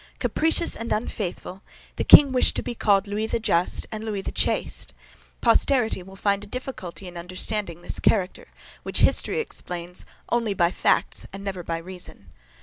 Capricious and unfaithful, the king wished to be called Louis the Just and Louis the Chaste. Posterity will find a difficulty in understanding this character, which history explains only by facts and never by reason.